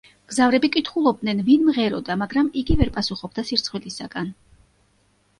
მგზავრები კითხულობდნენ, ვინ მღეროდა, მაგრამ იგი ვერ პასუხობდა სირცხვილისგან.